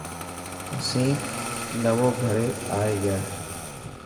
اسين نئوي گھري آئي گيا.